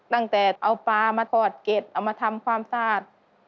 ตั้งแต่เอาปลามาถอดเก็ดเอามาทำความสะอาด